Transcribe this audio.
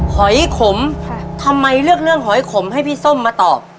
หอยขมทำไมเลือกเรื่องหอยขมให้พี่ส้มมาตอบ